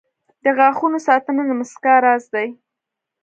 • د غاښونو ساتنه د مسکا راز دی.